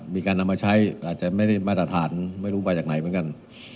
มีการนำมาใช้อาจจะไม่ได้มาตรฐานไม่รู้มาจากไหนเหมือนกัน